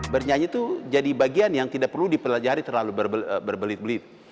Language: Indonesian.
bernyanyi itu jadi bagian yang tidak perlu dipelajari terlalu berbelit belit